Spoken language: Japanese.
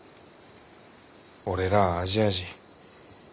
俺らあアジア人。